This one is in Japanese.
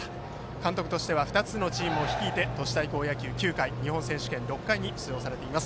監督としては２つのチームを率いて都市対抗野球９回日本選手権６回に出場しています。